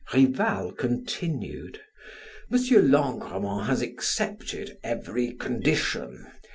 Rival continued: "M. Langremont has accepted every condition.